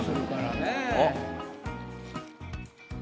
あっ。